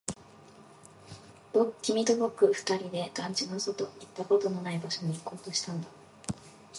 君と僕二人で団地の外、行ったことのない場所に行こうとしたんだ